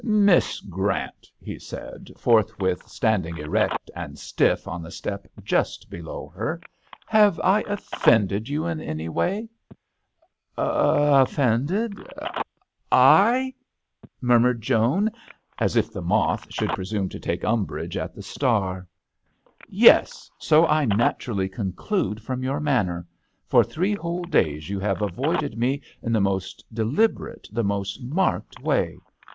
" Miss Grant," he said, forth with standing erect and stiff on the step just below her, " have I offended you in any way ?"" Offended ? I ?" murmured Joan. As if the moth should presume to take umbrage at the star! " Yes, so I naturally conclude from your manner. For three whole days you have avoided me in the most deliberate, the most marked way.